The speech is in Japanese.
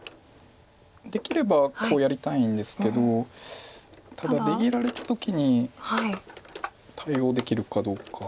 できればこうやりたいんですけどただ出切られた時に対応できるかどうか。